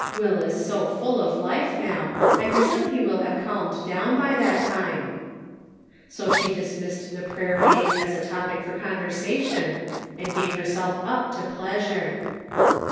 Will is so full of life now, I presume he will have calmed down by that time." So she dis missed the prayer meeting as a topic for con Measured hy Daylight. 271 versation, and gave herself up to pleasure.